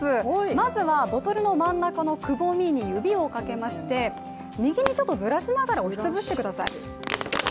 まずはボトルの真ん中のくぼみに指をかけまして、右にずらしながら押し潰してください。